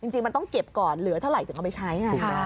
จริงมันต้องเก็บก่อนเหลือเท่าไหร่ถึงเอาไปใช้